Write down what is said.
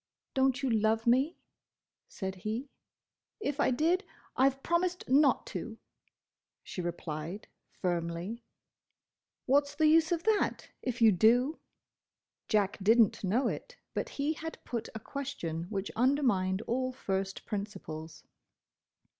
"Don't you love me?" said he. "If I did, I 've promised not to!" she replied firmly. "What 's the use of that, if you do?" Jack did n't know it, but he had put a question which undermined all first principles.